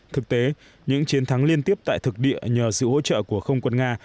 thực tế những chiến thắng liên tiếp tại thực địa nhờ sự hỗ trợ của không quân nga